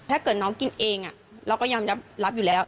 ถ้าเกิดน้องกินเองเราก็ยอมรับอยู่แล้ว